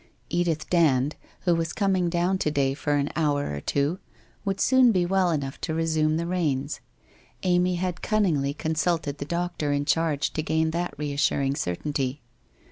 Edith Dand, who was coming down to day for an hour or two, would soon be well enough to resume the reins ; Amy had cunningly consulted the doctor in charge to gain that reassuring certainty.